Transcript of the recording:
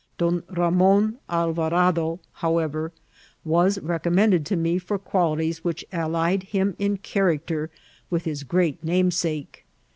D<m Ramon Alvarado, however, was recommended to me for qualities which allied him in character with his great namesake.